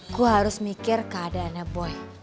gue harus mikir keadaannya boy